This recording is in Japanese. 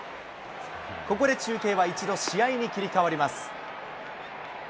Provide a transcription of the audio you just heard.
ここで中継は一度、試合に切り替わります。